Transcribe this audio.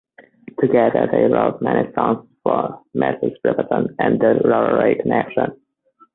Together they wrote many songs for Ms. Riperton and The Rotary Connection.